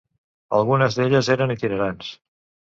Algunes d'elles eren itinerants.